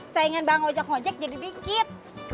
saingan bang gojek gojek jadi dikit